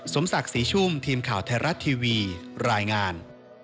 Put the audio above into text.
สมศักดิ์ศรีชุ่มทีมข่าวไทยรัฐทีวีรายงาน